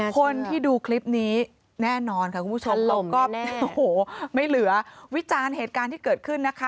คนที่ดูคลิปนี้แน่นอนกับผู้ชมก็ไม่เหลือวิจารณ์เหตุการณ์ที่เกิดขึ้นนะคะ